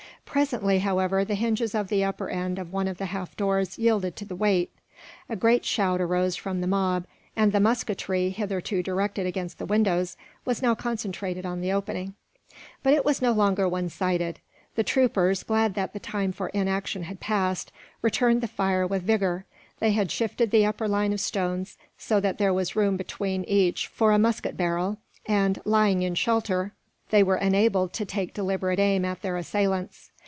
Presently, however, the hinges of the upper end of one of the half doors yielded to the weight. A great shout arose from the mob; and the musketry, hitherto directed against the windows, was now concentrated on the opening. But it was no longer one sided. The troopers, glad that the time for inaction had passed, returned the fire with vigour. They had shifted the upper line of stones, so that there was room between each for a musket barrel and, lying in shelter, they were enabled to take deliberate aim at their assailants.